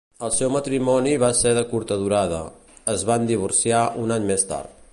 El seu matrimoni va ser de curta durada, es van divorciar un any més tard.